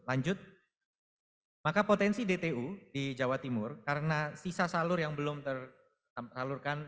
lanjut maka potensi dtu di jawa timur karena sisa salur yang belum tersalurkan